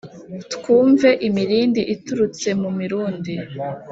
twumve imirindi iturutse mu mirundi